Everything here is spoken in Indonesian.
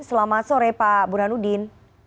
selamat sore pak burhanuddin